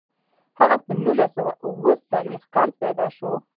هغه په نولس سوه اووه څلویښت کال کې پیدا شو.